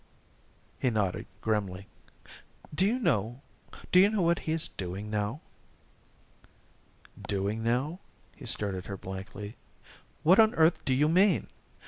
He nodded grimly. "Do you know do you know what he is doing now?" "Doing now?" He stared at her blankly. "What on earth do you mean?